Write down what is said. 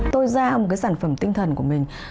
tôi ra một cái sản phẩm tinh thần của mình